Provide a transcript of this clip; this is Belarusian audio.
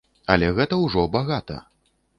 Але гэта ўжо багата.